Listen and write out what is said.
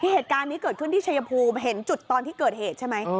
เหตุการณ์นี้เกิดขึ้นที่ชายภูมิเห็นจุดตอนที่เกิดเหตุใช่ไหม